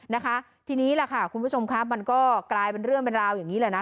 นะคะทีนี้แหละค่ะคุณผู้ชมครับมันก็กลายเป็นเรื่องเป็นราวอย่างนี้แหละนะ